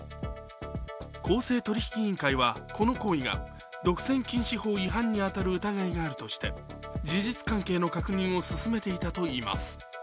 公正取引委員会は、この行為が独占禁止法違反に当たる疑いがあるとして事実関係の確認を進めていたといいます。